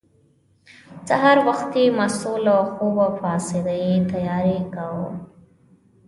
سهار وختي مستو له خوبه پاڅېده او یې تیاری کاوه.